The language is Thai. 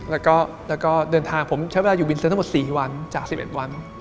แล้วก็เดินทางผมใช้เวลาอยู่วินเซินทั้งหมด๔วันจาก๑๑วัน